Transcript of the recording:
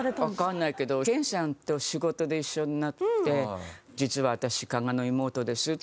健さんと仕事で一緒になって「実は私加賀の妹です」って。